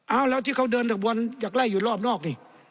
เอาแล้วที่เขาเดินจากบนอยากไล่อยู่รอบนอกนี่